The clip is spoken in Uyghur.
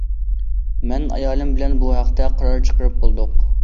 مەن ئايالىم بىلەن بۇ ھەقتە قارار چىقىرىپ بولدۇق.